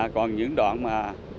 còn những đoạn mà